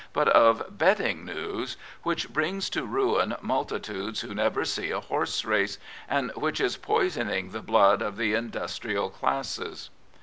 King Edward VII but of betting news, which brings to ruin multitudes who never see a horse race, and which is poisoning the blood of the industrial classes.